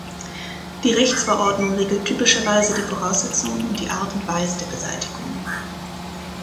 Die Rechtsverordnung regelt typischerweise die Voraussetzungen und die Art und Weise der Beseitigung.